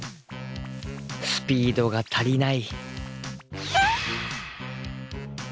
スピードが足りないキュルッ！